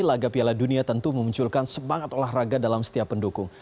laga piala dunia tentu memunculkan semangat olahraga dalam setiap pendukung